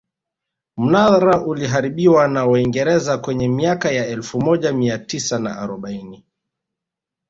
Mnara uliharibiwa na waingereza kwenye miaka ya elfu moja mia tisa na arobaini